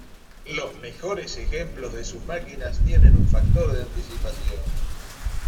Los mejores ejemplos de sus máquinas tienen un factor de anticipación.